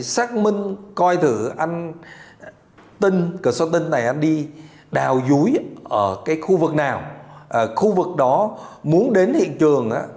xác minh coi thử anh tinh cờ sọ tinh này đi đào dúi ở cái khu vực nào khu vực đó muốn đến hiện trường